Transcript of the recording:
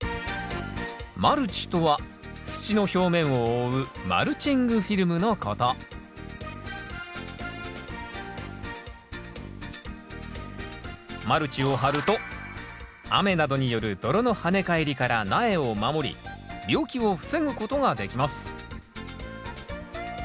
マルチとは土の表面を覆うマルチングフィルムのことマルチを張ると雨などによる泥のはね返りから苗を守り病気を防ぐことができます